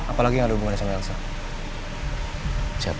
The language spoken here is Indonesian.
apalagi ada hubungan sama elsa siapa